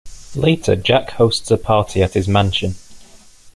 Later, Jack hosts a party at his mansion.